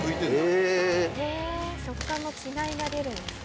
へぇ食感の違いが出るんですね。